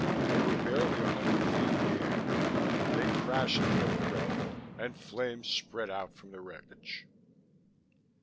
They were barely a hundred feet in the air; they crashed in a breath, and flames spread out from the wreckage.